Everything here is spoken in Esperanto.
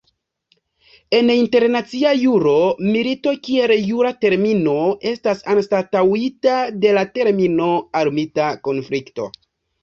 En internacia juro, milito kiel jura termino estas anstataŭita de la termino "armita konflikto".